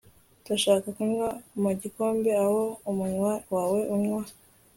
ndashaka kunywa mu gikombe aho umunwa wawe unywa